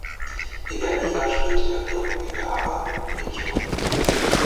In der Liga spielte der Klub in der Upper Region.